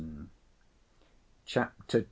Chapter II.